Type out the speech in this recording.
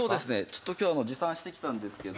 ちょっと今日持参してきたんですけど。